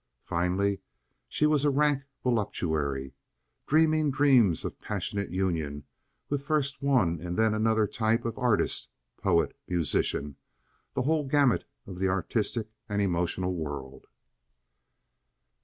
Finally, she was a rank voluptuary, dreaming dreams of passionate union with first one and then another type of artist, poet, musician—the whole gamut of the artistic and emotional world.